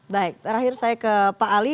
baik terakhir saya ke pak ali